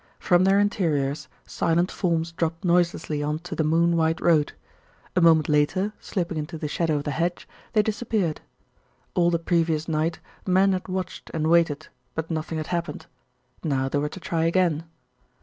From their interiors silent forms dropped noiselessly on to the moon white road. A moment later, slipping into the shadow of the hedge, they disappeared. All the previous night men had watched and waited; but nothing had happened. Now they were to try again.